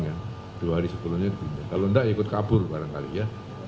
kalau enggak ikut kabur barangkali ya